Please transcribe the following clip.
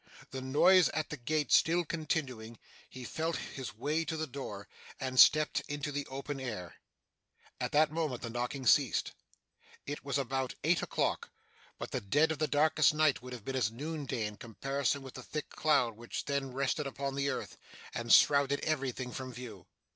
The noise at the gate still continuing, he felt his way to the door, and stepped into the open air. At that moment the knocking ceased. It was about eight o'clock; but the dead of the darkest night would have been as noon day in comparison with the thick cloud which then rested upon the earth, and shrouded everything from view.